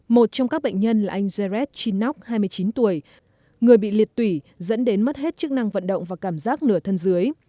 một trong các bệnh nhân là anh jared chinok hai mươi chín tuổi người bị liệt tủy dẫn đến mất hết chức năng vận động và cảm giác nửa thân dưới